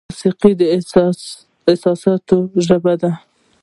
موسیقي د احساساتو ژبه ده.